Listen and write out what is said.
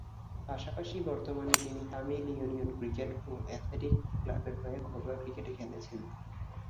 পাশাপাশি বর্তমানে তিনি তামিল ইউনিয়ন ক্রিকেট ও অ্যাথলেটিক ক্লাবের হয়ে ঘরোয়া ক্রিকেটে খেলছেন।